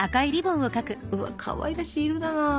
うわかわいらしい色だな。